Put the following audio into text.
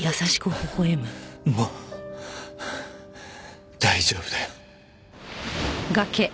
もう大丈夫だよ。